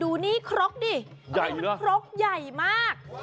ดูคือบางทีเนี่ยอยู่จะเบ็ดเก่านิดนึง